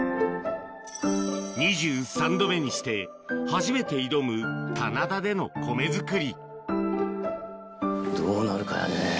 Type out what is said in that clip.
２３度目にして初めて挑む棚田での米作りどうなるかやね。